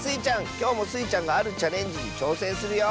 きょうもスイちゃんがあるチャレンジにちょうせんするよ。